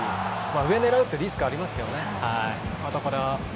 上を狙うってリスクがありますけどね。